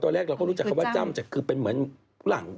แรกเราก็รู้จักคำว่าจ้ำจากคือเป็นเหมือนหลัง